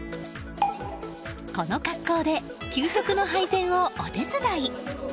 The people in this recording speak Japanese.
この格好で給食の配膳をお手伝い。